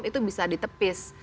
itu bisa ditepis